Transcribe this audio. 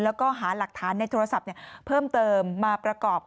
แล้วก็หาหลักฐานในโทรศัพท์เพิ่มเติมมาประกอบ